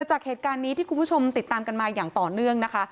จากเหตุการณ์นี้ที่คุณผู้ชมติดตามกันมาอย่างต่อเนื่องนะคะ